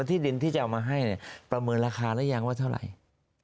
ที่ดินที่จะเอามาให้เนี่ยประเมินราคาหรือยังว่าเท่าไหร่